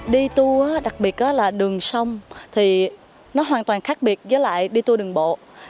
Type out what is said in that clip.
đi tour đặc biệt là đường sông thì nó hoàn toàn khác biệt với lại đi tour đường bộ